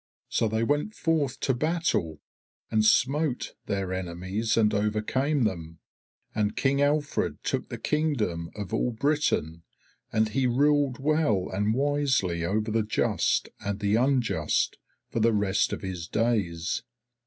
So they went forth to battle and smote their enemies and overcame them, and King Alfred took the Kingdom of all Britain, and he ruled well and wisely over the just and the unjust for the rest of his days."